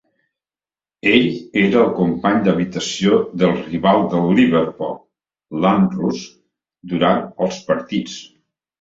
Ell era el company d'habitació del rival del Liverpool, Ian Rush, durant els partits.